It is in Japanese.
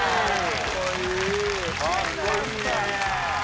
かっこいいねぇ。